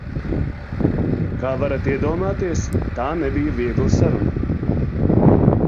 Kā varat iedomāties, tā nebija viegla saruna.